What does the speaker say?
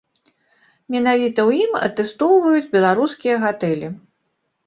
Менавіта ў ім атэстоўваюць беларускія гатэлі.